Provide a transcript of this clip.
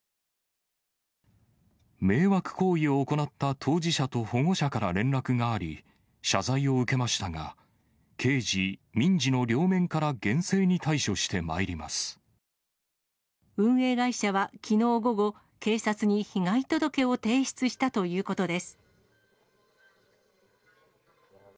迷惑行為を行った当事者と保護者から連絡があり、謝罪を受けましたが、刑事、民事の両面から運営会社はきのう午後、警察に被害届を提出したということです。